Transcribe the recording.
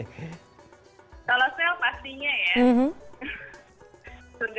kalau sale pastinya ya surga belanja kalau di sini